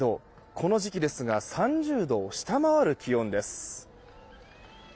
この時期ですが３０度を下回る気温です。